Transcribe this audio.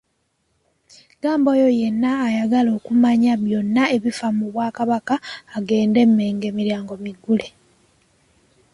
Agamba oyo yenna ayagala okumanya byonna ebifa mu Bwakabaka agende e Mmengo emiryango miggule.